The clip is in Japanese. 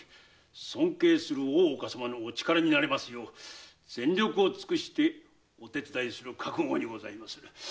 尊敬する大岡様のお力になれますよう全力を尽くしてお手伝いする覚悟にございます。